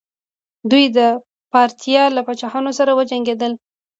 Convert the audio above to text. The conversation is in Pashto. دوی د پارتیا له پاچاهانو سره وجنګیدل